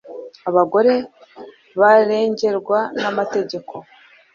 abagore barengerwa n'amategeko